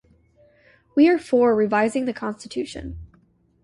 We are for revising the constitution.